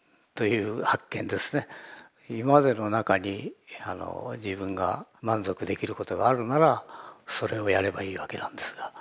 今までの中に自分が満足できることがあるならそれをやればいいわけなんですがそうではない。